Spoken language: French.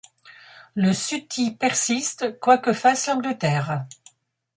Le suttie persiste, quoi que fasse l’Angleterre.